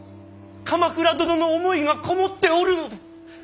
鎌倉殿の思いが籠もっておるのです。